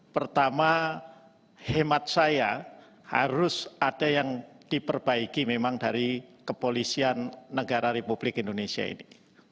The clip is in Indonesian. pertama hemat saya harus ada yang diperbaiki memang dari kepolisian negara republik indonesia ini